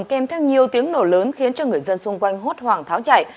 kèm theo nhiều tiếng nổ lớn khiến cho người dân xung quanh hốt hoảng tháo chạy